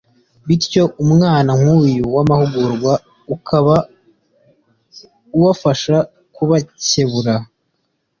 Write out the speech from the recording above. bityo umwanya nk’uyu w’amahugurwa ukaba ubafasha kubakebura